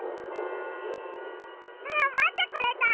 あっまってくれた！